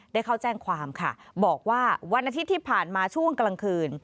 ได้เข้าแจ้งความค่ะบอกว่าวันอาทิตย์ที่ผ่านมาช่วงกลางคืน